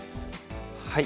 はい。